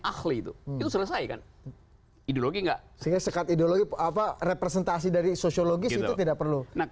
ahli itu selesai kan ideologi enggak sekat ideologi apa representasi dari sosiologis tidak perlu nah